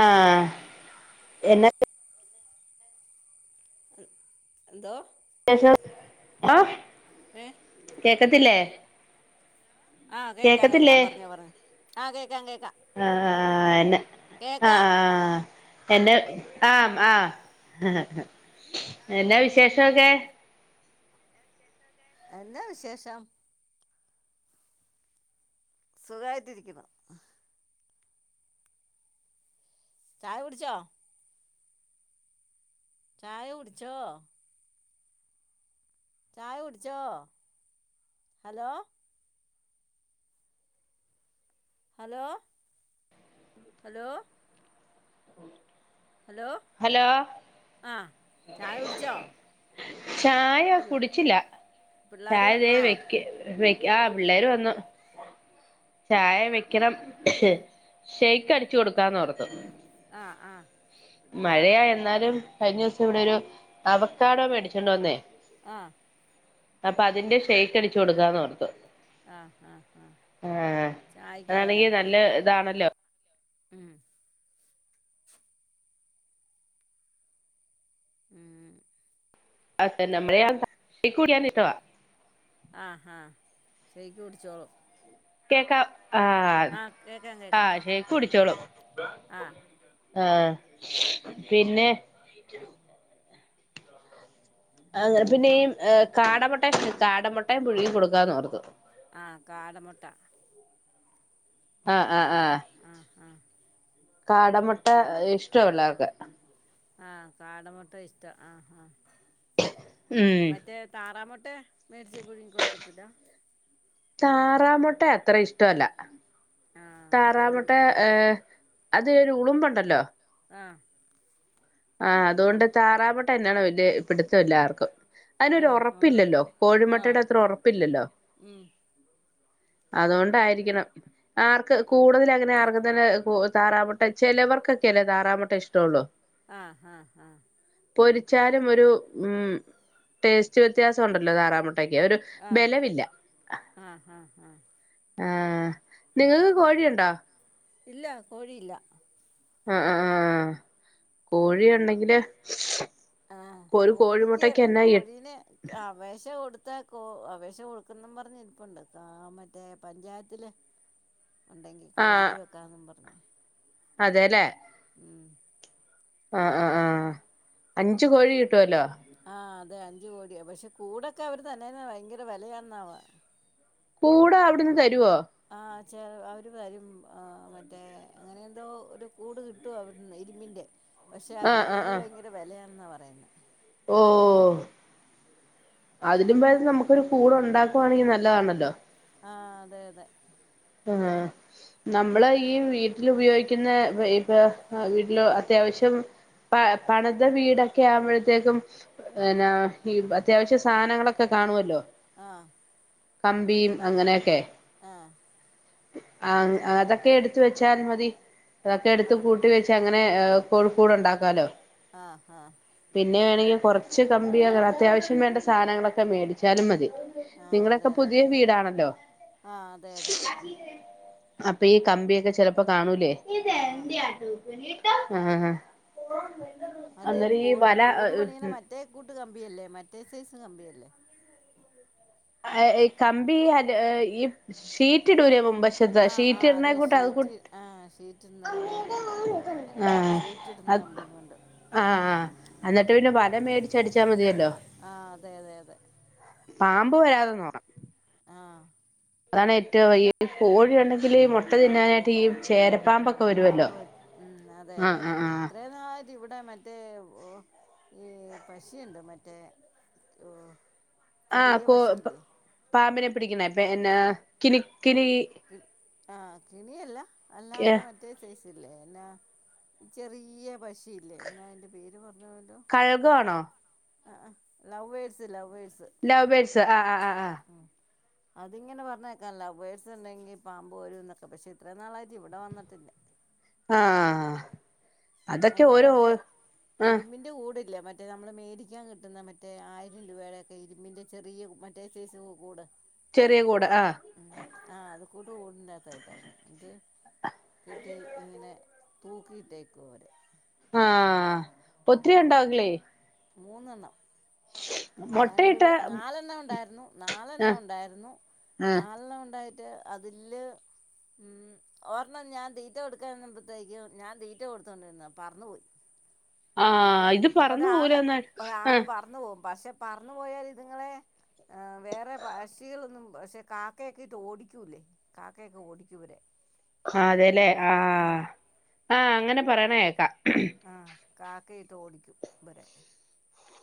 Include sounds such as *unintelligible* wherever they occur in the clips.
ആഹ് എന്നാ *unintelligible* എന്തോ? അത്യാവശ്യം ആഹ് ഏ കേക്കത്തില്ലേ? ആ കേക്കാം കേക്കത്തില്ലേ കേക്കാം പറഞ്ഞോ പറഞ്ഞോ ആ കേക്കാം കേക്കാം ആഹ് ആഹ് എന്നാ ആഹ് കേക്കാം ആഹ് ആഹ് എന്നാ ആഹ് ആഹ് എന്നാ വിശേഷൊക്കെ? എന്നാ വിശേഷം സുഖമായിട്ടിരിക്കുണു ചായ കുടിച്ചോ? ചായ കുടിച്ചോ? ചായ കുടിച്ചോ? Hello hello hello hello hello ആഹ് ചായ കുടിച്ചോ? ചായ പിള്ള കുടിച്ചില്ല പിള്ളേർ ചായ ഇതെ വന്നോ വെക്ക് വെ ആഹ് പിള്ളേര് വന്നു ചായ വെക്കണം ഷെയ്ക്ക് അടിച്ചു കൊടുക്കാന്നോർത്തു ആഹ് ആഹ് മഴയാ എന്നാലും കഴിഞ്ഞ ദിവസം ഇവിടെ ഒരു അവക്കാടോ മേടിച്ചോണ്ടു വന്നേ ആഹ് അപ്പൊ അതിന്റെ ഷെയ്ക്ക് അടിച്ചു കൊടുക്കാന്നോർത്തു ആഹ് ആഹ് ആഹ് ആഹ് അതാണെങ്കി നല്ല ഇതാണല്ലോ ഉം ഉം അതെന്നെ *unintelligible* ആഹ് ആഹ് ഷെയ്ക്ക് കുടിച്ചോളും കേക്കാം ആഹ് ആ ആഹ് ഷെയ്ക്ക് കുടിച്ചോളും ആഹ് ആഹ് പിന്നെ അങ്ങനെ പിന്നെ ഈ കാടമുട്ടയും കാടമുട്ടയും പുഴുങ്ങി കൊടുക്കാന്നോർത്തു ആഹ് കാട മൊട്ട ആഹ് ആഹ് ആഹ് കാട മൊട്ട ഇഷ്ട്ടാ പിള്ളേർക്ക് ആഹ് കാട മൊട്ട ഇഷ്ട്ടാ ആഹ് ആഹ് ഉം മറ്റേ താറാമൊട്ടേ മേടിച്ച് പുഴുങ്ങി കൊടുക്കത്തില്ല താറാമൊട്ട അത്ര ഇഷ്ട്ടവല്ല ആഹ് കോഴി താറാമൊട്ട ഏഹ് അത് ഒരു ഉളുമ്പൊണ്ടല്ലോ? ആഹ് ആഹ് അതുകൊണ്ട് താറാമൊട്ട എന്നാണോ വല്യ പിടുത്തമില്ല ആർക്കും അയിനൊരു ആഹ് ഒറപ്പില്ലല്ലോ ആഹ് ആഹ് കോഴിമുട്ടയുടെ അത്ര ഒറപ്പില്ലല്ലോ ഉം അതുകൊണ്ടായിരിക്കണം ആർക്ക് കൂടുതൽ അങ്ങനെ ആർക്ക് അങ്ങനെ കു താറാമൊട്ട ചെലവർക്കൊക്കെയല്ലേ താറാമൊട്ട ഇഷ്ട്ടവൊള്ളൂ ആഹ് ആഹ് ആഹ് പൊരിച്ചാലും ഒരു ഉം ടേസ്റ്റ് വ്യത്യാസമുണ്ടല്ലോ താറാമുട്ടയ്ക്ക് ഒരു ആഹ് ബലവില്ല ആഹ് ആഹ് നിങ്ങൾക്ക് കോഴിയുണ്ടോ ഇല്ല കോഴിയില്ല ആഹ് ആഹ് ആഹ് കോഴിയുണ്ടെങ്കില് ആഹ് കോഴിക്ക് കോഴീന് അപേക്ഷ കൊടുത്താ കോ അപേക്ഷ കൊടുക്കുന്ന് പറഞ്ഞിരിപ്പുണ്ട് ആഹ് മറ്റേ പഞ്ചായത്തില് ഉണ്ടെങ്കി ആ കോഴിക്ക് വെക്കാന്നും പറഞ്ഞ് അതെല്ലേ ഉം ആഹ് ആഹ് ആഹ് അഞ്ചു കോഴി കിട്ടുവല്ലോ ആ അതെ അഞ്ചു കോഴി പക്ഷെ കൂടൊക്കെ അവർ തര്ന്ന ഭയങ്കര വെലയാന്ന കൂട് അവിടുന്ന് തരുവോ ആ ചെ അവര് വരുംഅ മറ്റേ അങ്ങനെന്തോ ഒരു കൂട് കിട് ട്ടും അവിടുന്ന് ഇരുമ്പിൻ്റെ പക്ഷേ ആ കൂടിന് ഭയങ്കര വിലയാണെന്നാ പറയുന്നെ ഓഹ് അതിലും ഭേതം നമുക്കൊരു കൂടെ ഉണ്ടാക്കുവാണെങ്കിൽ നല്ലതാണല്ലോ ആഹ് അതെ അതെ ആഹ് നമ്മള് ഈ വീട്ടിൽ ഉപയോഗിക്കുന്ന വൈബ് ആ വീട്ടിലോ അത്യാവശ്യം പ പണിത വീടൊക്കെ ആവുമ്പോഴത്തേക്കും പിന്നാ ഈ അത്യാവശ്യം സാധനങ്ങളൊക്കെ കാണുവല്ലോ ആഹ് കമ്പിയും അങ്ങനെയൊക്കെ ആഹ് ആഹ് അതൊക്കെ എടുത്ത് വെച്ചാൽ മതി അതൊക്കെ എടുത്ത് ആഹ് കൂട് ഇട്ട് വെച്ച് അങ്ങനെ കൊഴക്കൂട് ഉണ്ടാക്കാല്ലോ ആഹ് ആഹ് പിന്നെ വേണങ്കി കൊറച്ച് കമ്പി ആണ് അത്യാവശ്യം വേണ്ട സാധനങ്ങളൊക്കെ മേടിച്ചാലും മതി ആഹ് അതെ നിങ്ങളെക്കെ അതെ പുതിയ വീടാണല്ലോ ആഹ് അത് അപ്പ ഈ കമ്പിയൊക്കെ ചെലപ്പോ കാണൂലേ ആഹ് ആഹ് ആഹ് പൂവ്വ അത് കോഴി കൂടു പണിയണ മറ്റേ കൂട്ട് കമ്പിയല്ലേ മറ്റേ സൈസ് കമ്പിയല്ലേ ഈ കമ്പി അ ഈ ഷീറ്റിടൂലെ മുമ്പശ് ആഹ് ഷീറ്റ് ആഹ് ഇടണേ അതെ കൂട്ട് അത് കൂട് ഷീറ്റ് ആഹ് ഷീറ്റിടുന്ന കമ്പിം കൊണ്ട് ഷീറ്റ് ഇടുന്ന അത് കമ്പിം കൊണ്ട് ആഹ് ആഹ് എന്നിട്ട് പിന്നെ വല മേടിച്ചടിച്ചാ മതിയല്ലോ ആഹ് അതെ അതെ അതെ പാമ്പ് വരാതെ നോക്കണം ആഹ് അതാണ് ഏറ്റവും വലിയ കോഴിയുണ്ടെങ്കല് മൊട് ആഹ് വരുവല്ലോ ബോ ഉം അതെ ആഹ് അതെ അതെ ആഹ് ആഹ് ഇത്രയും നാള തി ഇവിടെ മറ്റേ ഈ പഷയുണ്ട് മറ്റേ ഓഹ് ആ കൊ പാമ്പിനെ പിടിക്ന്ന പിന്നെ കിലി കിലി കി ആഹ് കിണിയല്ല അല്ലാത്ത മറ്റ് റ്റേ സയ്‌സല്ലേ എന്നാ ചെറിയ പശിയില്ലേ എന്നാ എന്റെ അയ്‌ന്റെ പേര് പറഞ്ഞല്ലോ കഴുക് ആണോ ആഹ് അഹ് ലവ്വേഴ്സ് ലവ്വേഴ്സ് ലൗ ബേട്സ് ആഹ് ആഹ് ആഹ് അതിങ്ങനെ പറഞ്ഞേക്കാ ലൗ ബെഡ്സ് ഇണ്ടെങ്കിൽ പാമ്പ് വരുന്നൊക്കെ പക്ഷേ ഇത്രയും നാളായിട്ട് ഇവിടെ വന്നട്ടില്ല ആഹ് അതൊക്കെ ഓരോ ആ കൂടില്ല മറ്റേ നമ്മള് മേടിക്കാൻ കിട്ടുന്ന മറ്റേ ആയിരം രൂപയുടക്കെ ഇരുമ്പിന്റെ ചെറിയ മറ്റ മറ്റേ സെയ്‌സ് കൂട് ചെറിയ കൂട് ആ ഉം ആ് അത കൂട്ട ഓടിത്തായിട്ട അത് കിട്ടി ഇങ്ങനെ തൂക്കിയിട്ടേക്ക് അവരെ ആഹ് ഒത്തിരി ഉണ്ടാവില്ലേ മൂന്നെണ്ണം രണ്ട് മുട്ടയിട്ട പേ നാലെണ്ണണം ഉണ്ടായിരുന്നു നാലെണ്ണ ആഹ് ഉണ്ടായിരുന്നു ആഹ് നാലെണ്ണം ഉണ്ടായിട്ട് അതില് ഉം ഓരെണ്ണം ഞാൻ തീറ്റ കൊടുക്കാൻമ്പത്തേക്കും ഞാൻ തീറ്റ കൊടുത്തോണ്ടിരുന്ന പറന്നു പോയി *inaudible* പിന്നെ ഇത് പറന്നു ഒരാള് പോവൂലന്നാ ഒരാണ് ആഹ് പറന്നു പോകും പക്ഷെ പറഞ്ഞു പോയാൽ ഇതുങ്ങളെ വേറെ പശികളൊന്നും പക്ഷെ ക ക്കയൊക്കെയിട്ട് ഓിക്കൂല്ലേ കാക്കയൊക്കെ ഓടിക്കവരെ അതെല്ലേ ആഹ ആഹ അങ്ങനെ പറയണ കേക്കാം ആ കാക്കയിട്ട് ഓടിക്കും ഇരെ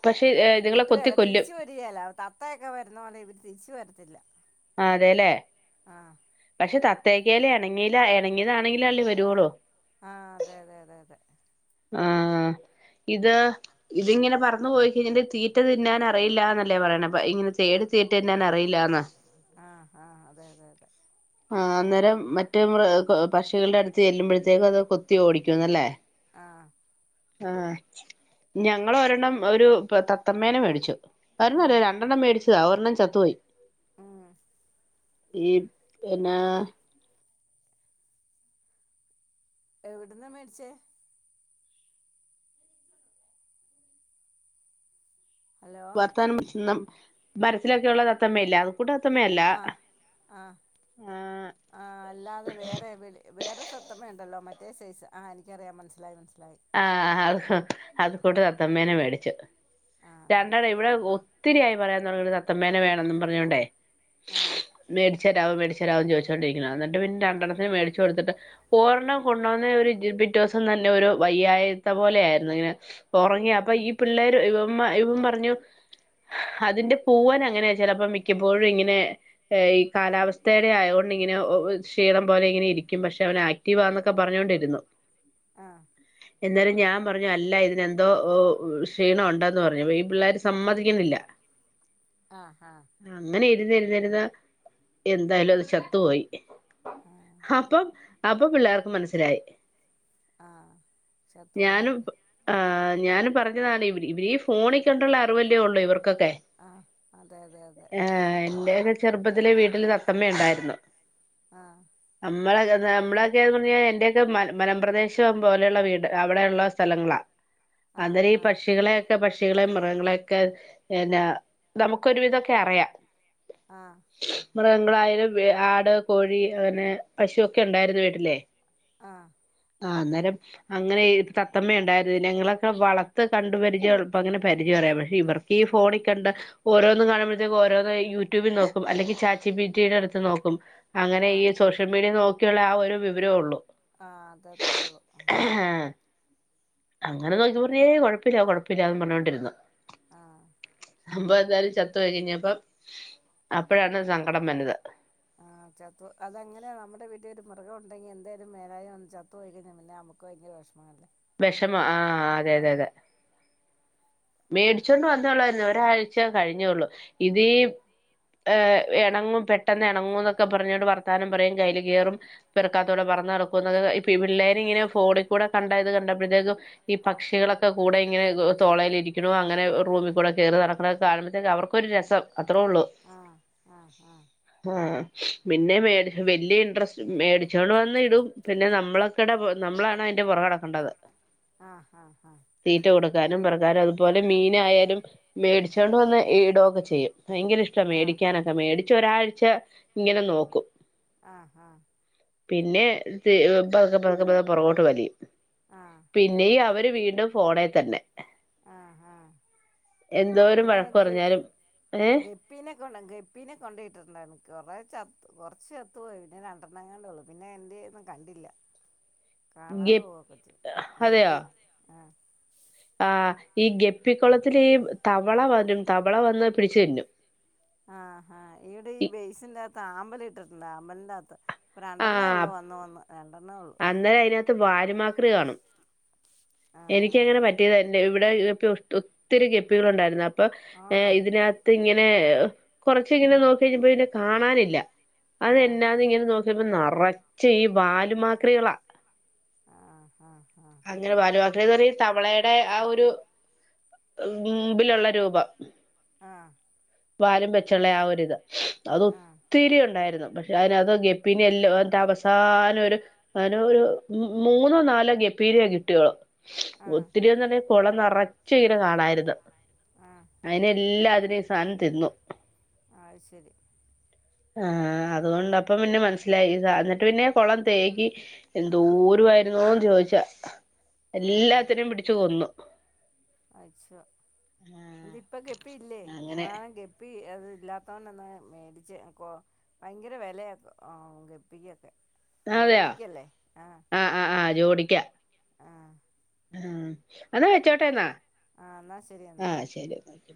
പക്ഷെ ഇത് ഇതുങ്ങളെ കൊത്തി കിട്ടുകല്ല കൊല്ലും തിരിച്ച് തത്തയൊക്കെ വരുന്നോണ്ട് ഇവര് തിരിച്ചു വരത്തില്ല ആ അതെല്ലേ ആഹ് പക്ഷെ തത്തേക്കൽേ ഇണങ്ങീല ഇണങ്ങിയതാണെങ്കിലിൽ അള്ളി വരുവളൂ ആഹ് അതെ അതെ അതെ അതെ ആഹ് ഇത് ഇതിങ്ങനെ പറഞ്ഞു പോയി കഴിഞ്ഞ് തീറ്റത് തിന്നാൻ അറിയില്ലാന്നല്ലേ പറയണപ്പ ഇങ്ങനെ തേടി തീറ്റ ന്നാൻ അറിയില്ലന്നാ ആഹ് ആഹ് അതെ അതെ അതെ ആ അന്നേരം മറ്റ മ പക്ഷികളുടെ അടുത്ത് ചെല്ലുമ്പോഴത്തേക്കും അത് കൊത്തി ഓടിക്കും അല്ലേ ആഹ് ആഹ് ഞങ്ങൾ ഒരെണ്ണം ഒരു തത്തമേന മേടിച്ചു ഒരെണ്ണമല്ല രണ്ടെണ്ണം മേടിച്ചതാ ഒരെണ്ണം ചത്തുപോയി ആഹ് ഈ പിന്ന എവിടന്നാ മേടിച്ചേ ഹലോ വർത്താനം മരലൊക്കെയുള്ളള്ളത് തത്തമ്മയയില്ല അത കൂട്ട തത്തമ്മയല്ല ആഹ് ആഹ് ആഹ് ആ അല്ലാതെ വേറെ വിൽ വേറെ തത്തമ ഉണ്ടല്ലോ മറ്റേ സൈസ് ആ എനിക്കറിയാൻ മനസ്സിലായി മനസ്സിലായി ആഹ അത് ആ അത കൂട്ട തത്തമ്മേനെ മേടിച്ചു ആ രണ്ടെണ്ണം ഇവിടെ ഒത്തിരിയായി പറയാൻ പറഞ്ഞ തത്തമേനെ വേണം എന്നും പറഞ്ഞോണ്ടേ ആഹ് മേടിച്ചരാവും മേടിച്ചതാവും ചോദിച്ചുകൊണ്ടിരിക്കണം എന്നിട്ട് പിന്നെ ആ രണ്ടെണ്ത്തിന് മേടിച്ചച്ച് കൊടുത്തിട്ട് ഓർണ് കൊണ്ടോന്ന ഒരു ബിറ്റിവസം തന്നെ ഒരു വയ്യായത്ത പോലെ ആയിരുന്നു ഇങ്ങനെ ഉറങ്ങിയ അപ്പൊ ആ ഈ പിള്ളേർ ഇവ ഇപ്പം പറഞ്ഞു അതിന്റെ പോവാൻ അങ്ങനെ ചെിലപ്പോ മിക്കപ്പോഴും ഇങ്ങനെ ഈ കാലാവസ്ഥയുടെ ആയത കൊണ്ട് ഇങ്ങനെ ക്ഷീണംം പോലെ ഇങ്ങനെ ഇരിക്കും പക്ഷെ അവന ആയി അറ്റിവ് ആണ് എന്നൊക്കെ പറഞ്ഞുകൊണ്ടിരുന്നു ആഹ് എന്നാലും ഞാൻ പറഞ്ഞു അല്ല ഇതിനന് എന്തോ ക്ഷീണം ഉണ്ടന്ന് പറഞ്ഞു ഈ പിള്ളേര് സമ്മതിക്കുന്നില്ല ആഹ് ആഹ് അങ്ങനെ ഇരുന്നി ഇരുന്നിരുന്ന എന്തായാലും അത് ചത്തു പോയി ആഹ് അപ്പം. അപ്പം പിള്ളേർക്കും മനസ്സിലായി ആഹ് ഞാനും ചത്തുപോയെന്ന് ആഹ് ആഹ്. ഞാനും പറഞ്ഞതാണ് ഇവര്. ഇവര് ഈ ഫോണി കണ്ടൊള്ള അറിവല്ലേഒള്ളൂ ഇവർക്കൊക്കെ. ആഹ് അതെ അതെ അതെ ആഹ്. എന്റെക്കെ ചെറുപ്പത്തിലെ വീട്ടില് തത്തമ്മണ്ടായിര്ന്നു. ആഹ് അമ്മളക്കെർഞ്ഞാ അമ്മളെക്കെന്ന് പർഞ്ഞെയ്‌ഞ്ഞാ എന്റെയൊക്കെ മല മലമ്പ്രദേശ പോലെയ്ള്ള വീട് അവടെള്ള സ്ഥലങ്ങളാ. ആഹ് അന്നേരം ഈ ആഹ് പക്ഷികളെ ക്കെ പക്ഷികളേയും, മൃഗങ്ങളെയൊക്കെ എന്നെ നമുക്കൊരു വിതൊക്കെ അറയാ. ആഹ് മൃഗങ്ങളായാലും വേ ആട്, കോഴി അങ്ങനെ പശുഒക്കെ ണ്ടായിരുന്ന് വീട്ട്ലേ ആഹ് ആഹ് അന്നേരം അങ്ങനെ ഈ തത്തമ്മ യുണ്ടായി ര്ന്ന്. ഞങ്ങളൊക്കെ വളർത്ത് കണ്ട് പരിചയ *unintelligible* പ്പങ്ങനെ പരിചയറയാമെ. പക്ഷെ ഇവർ ഈ ഫോണി കണ്ട ഓരോന്ന് കാണുമ്പഴത്തേക്ക് ഓരോന്ന് ഈ യൂട്യൂബി നോക്കും. അല്ലെങ്കി ചാറ്റ് ജിപിറ്റിടെ ട്ത്ത് നോക്കും. അങ്ങനെ ഈ സോഷ്യൽ മീഡിയ നോക്കിയുള്ള ആ ഒരു വിവരോള്ളൂ. ആഹ് അതത്രേ ഉള്ളു ആഹ്. അങ്ങനെ നോക്കി പർഞ്ഞു ഏയ്‌ കൊഴപ്പില്ല, കൊഴപ്പില്ലാന്നും പറഞ്ഞോണ്ടിരുന്ന്. ആഹ് സംഭവന്തായാലും ചത്തോയി കഴിഞ്ഞപ്പം അപ്പഴാണ് സങ്കടം വന്നത് ആഹ് ചത്തൊ അതങ്ങനെയാ നമ്മടെ വീട്ടി ഒരു മൃഗം ഒണ്ടെങ്ങി എന്തേലും മേലായിയ വന്ന് ചത്തോയികഴിഞ്ഞ പിന്നെ അമു ക്ക് ഭയങ്കര വെഷ്മാല്ലേ വെഷമാ ആഹ് അതെ തെ തെ മേടിച്ചൊണ്ട് വന്നോള്ളർന്ന്. ഒരാഴ്ച കഴിഞ്ഞേള്ളു. ഇതീ ഏഹ് എണങ്ങും പെട്ടെന്ന് എണങ്ങും ന്നൊക്കെ പറഞ്ഞോണ്ട്‌ വർത്താനം പറയും കൈയ്യില് കേറും പെറക്കാത്തൂടെ പറന്നടക്കുന്നക്കെ ഇപ്പ ഈ പിള്ളേരിങ്ങനെ ഫോണിക്കൂടെ കണ്ടത് കണ്ടപ്പോഴത്തേക്കും ഈ പക്ഷികളൊക്കെ കൂടെ ഇങ്ങനെ തോളേലിരിക്ക്ണു അങ്ങനെ റൂമി കൂടെ കേറി നടക്കണക്കെ കാണുമ്പോഴത്തേക്ക് അവർ ക്കൊര് രസം അത്രോള്ളൂ. ആഹ് ആഹ് ആഹ് ആഹ് ആഹ്. പിന്നെ മേടി വല്യ ഇൻട്രസ്റ്റ് മേടിച്ചോണ്ട് വന്ന് ഇടും. പിന്നെ നമ്മളൊക്കടെ നമ്മളാണ യിന്റെ പൊറകെ നടക്കണ്ടത്. ആഹ് ആഹ് ആഹ് തീറ്റ കൊടുക്കാനും പറക്കാനും അതുപോലെ മീ നെ ആയാലും മേടിച്ചോണ്ട് വന്ന് ഈടൊക്കെ ചെയ്യും. ഭയങ്കര ഇഷ്ട മേടിക്കാന ക്കെ. മേടിച്ച് ഒരാഴ്ച ഇങ്ങനെ നോക്കും. ആഹ് ആഹ് പിന്നെ തി പതക്കെ പതക്കെ പത ക്കെ പൊറകോട്ട് വലിയും ആഹ് പിന്നെയും അവര് വീണ്ടും ഫോണേ തന്നെ ആഹ് ആഹ് എന്തോരും വഴക്ക് പറഞ്ഞാലും ഏഹ് പിന്നെ കൊണ്ടങ്ങ ഗപ്പീനെ കൊണ്ടോയിട്ടുണ്ടാര്ന്ന്. കൊറേചത്ത് കൊർച്ച് ചത്തു പോയി പിന്നെ രണ്ടെണ്ണങ്ങാണ്ട് ഒള്ള്. പിന്നെ എന്ത്യെന്ന് കണ്ടില്ല കാണാ ഗപ് പോവൊക്കെ ചെയ്യും. ഗപ്പി ആഹ് ആഹ് ഈ ഗപ്പി ക്കൊളത്തില് ഈ തവള വരും. തവള വന്ന് പിടിച്ച് തിന്നും ആഹ് ആഹ് ഇവിടെ ഈ ബേ്സിന്റെറ അകത്ത് ആമ്പലി ട്ടിട്ടുണ്ട് ആമ്പൽന്റെ ആത്ത്. ഇപ്പ ആ രണ്ടെണ്ണോ ഒള്ളു വന്ന് വന്ന് രണ്ടണ്ണോ ഉള്ളൂ. അന്നേരം അതിനകത്ത് ആഹ് എനക്കങ്ങനെ പറ്റിയതാ. എന്റെ ഇവടെ ഒത്തിരി ഗപ്പികളൊ ണ്ടായിര്ന്ന് അപ്പം ഏഹ് ആണോ ഇതിനാ ത്ത് ഇങ്ങനെ കൊർച്ചിങ്ങനെ നോക്കി കഴിഞ്ഞപ്പൊ പിന്നെകാണാനില്ല. ആഹ് അത്എന്നാന് ങ്ങനെ നോക്കി ക്കിയപ്പോ നറച്ച് ഈ വാലുമാക്രികളാ ആഹ് ആഹ് ആഹ് അങ്ങനെ വലുമാക്രി പറ തവളയുടെ ആ ഒരു മുമ്പിലൊള്ള രൂപം ആഹ് വാലും വെച്ചുള്ള ആ ഒരിത് അത് ആഹ് ഒത്തിരി ഉണ്ടായിരുന്നു പക്ഷെ അതിനാത് ഗപ് പിന്നെ എൽ എന്തസ്ഥ സാനം ഒരു അനൊ ഒരു മു മൂന്നോ നാലോ ഗപ്പീനെ കിട്ടിഓൾ ആഹ് ഒത്തിരി എന്നുപറഞ്ഞ കൊളം നറച്ചു ഇങ്ങനെ കാണാരുന്നു ആഹ് അയിനെല്ലാം അതിന സാനം തിന്നു അത് ശരി ആഹ് അതുകൊണ്ടപ്പ പിന്നെ മനസ്സിലായി എന്നിട്ട് പിന്നെ കൊളം തേകി എന്തൂരമായിരുന്നോന്ന് ചോദിച്ചാ എല്ലാത്തിനും പിടിച്ചു കൊന്നു അച്ച എത് ഇപ്പ ഗപ്പയില്ലേ അങ്ങനെ ഞങ്ങളാണ് ഗപ്പ അത് ഇല്ലാത്തവണ്ടന്ന മേടിച്ച് കൊ ഭയങ്കര വിലയാക്ക ആ ഗപ്പിക്കൊക്കെ അതെയോ ജോഡിക്കല്ലേ ആഹ് ആ ആ ആഹ് ജോഡിക്കാ ആഹ് ആ എന്നാ വെച്ചോട്ടെ എന്നാ ആഹ് എന്നാ ശരി എന്നാ ആ ശരി